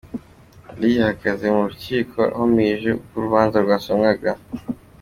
Lee yahagaze mu rukiko ahumirije ubwo urubanza rwasomwaga.